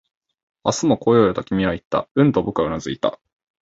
「明日も来ようよ」、君は言った。うんと僕はうなずいた